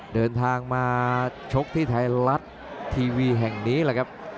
เดินทางมาชกที่ไทยรัฐทีวีแห่งนี้แหละครับ